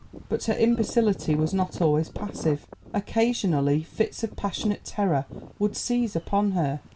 But her imbecility was not always passive. Occasionally fits of passionate terror would seize upon her.